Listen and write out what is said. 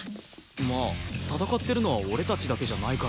まあ戦ってるのは俺たちだけじゃないからな。